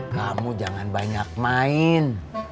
kamu jangan banyak main